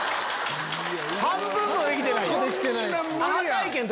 半分もできてないやん！